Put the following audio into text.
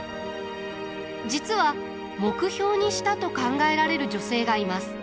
実は目標にしたと考えられる女性がいます。